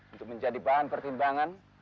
untuk menjadi bahan pertindakan